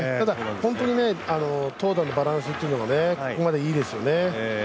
本当に投打のバランスというのがここまでいいですよね。